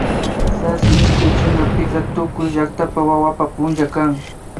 Sasi ishkay chunkapika tukuy llaktapak wawapa punlla kan